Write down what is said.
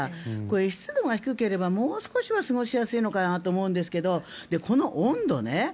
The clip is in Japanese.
湿度が低ければもう少しは過ごしやすいのかなと思うんですけどこの温度ね。